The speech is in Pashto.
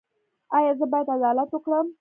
ایا زه باید عدالت وکړم؟